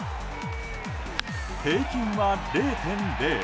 平均は０．０。